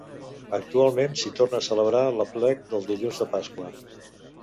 Actualment s'hi torna a celebrar l'aplec del dilluns de Pasqua.